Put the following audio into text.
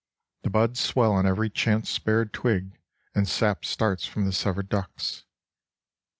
The buds swell on every chance spared twig, and sap starts from the severed ducts.